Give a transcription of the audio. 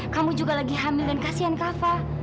kamu juga lagi hamil dan kasian kava